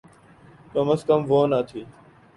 کم از کم وہ نہ تھی۔